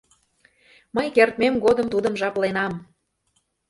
Мый кертмем годым тудым жапленам...